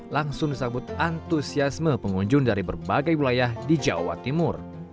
langsung disambut antusiasme pengunjung dari berbagai wilayah di jawa timur